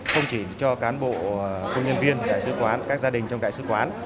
không chỉ cho cán bộ công nhân viên đại sứ quán các gia đình trong đại sứ quán